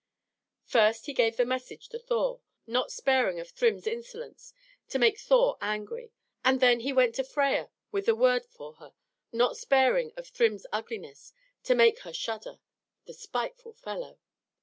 First he gave the message to Thor not sparing of Thrym's insolence, to make Thor angry; and then he went to Freia with the word for her not sparing of Thrym's ugliness, to make her shudder. The spiteful fellow!